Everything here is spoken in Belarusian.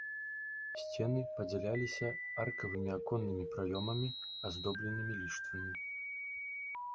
Сцены падзяляліся аркавымі аконнымі праёмамі, аздобленымі ліштвамі.